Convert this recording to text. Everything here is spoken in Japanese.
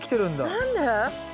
何で？